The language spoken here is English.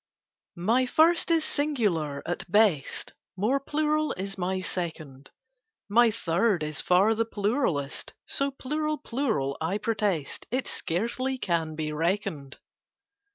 MY First is singular at best: More plural is my Second: My Third is far the pluralest— So plural plural, I protest It scarcely can be reckoned!